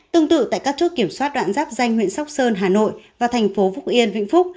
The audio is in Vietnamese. tương tự tại các chốt kiểm soát đoạn giáp danh huyện sóc sơn hà nội và thành phố phúc yên vĩnh phúc